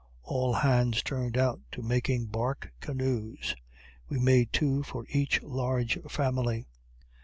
All hands turned out to making bark canoes. We made two for each large family.